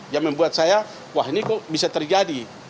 yang membuat saya wah ini kok bisa terjadi